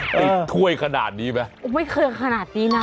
ถ้วยขนาดนี้ไหมไม่เคยขนาดนี้นะ